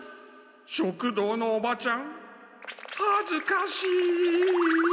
食堂のおばちゃんはずかしい！